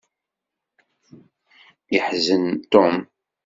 Yeḥzen Tom.